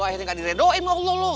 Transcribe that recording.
akhirnya gak diredoim allah lo